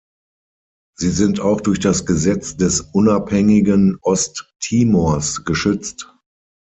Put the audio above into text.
Sie sind auch durch das Gesetz des unabhängigen Osttimors geschützt.